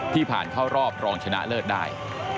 ผ่านเข้ารอบรองชนะเลิศได้